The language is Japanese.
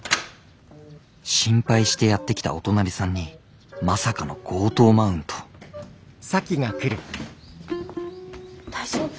心配してやって来たお隣さんにまさかの強盗マウント大丈夫？